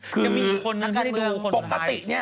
ยังมีอีกคนนึงไม่ได้ดูคนสุดท้าย